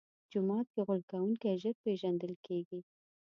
جومات کې غول کوونکی ژر پېژندل کېږي.